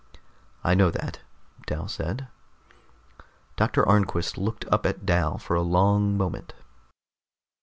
"I know that," Dal said. Doctor Arnquist looked up at Dal for a long moment.